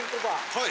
はい。